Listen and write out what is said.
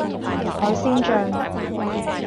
海鮮醬